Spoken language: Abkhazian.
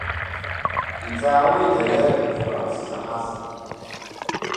Иҵаауеит ари ажәабжь бааԥс заҳаз.